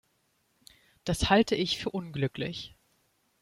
Das halte ich für unglücklich.